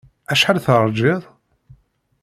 Acḥal terjiḍ?